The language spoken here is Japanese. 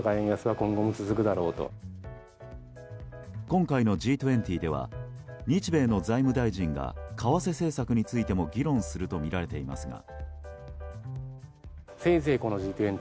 今回のＧ２０では日米の財務大臣が為替政策についても議論するとみられていますが。